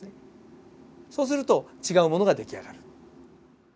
そうすると違うものが出来上がる。